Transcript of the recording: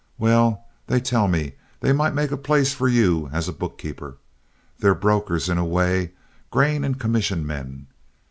"Well, they tell me they might make a place for you as a bookkeeper. They're brokers in a way—grain and commission men.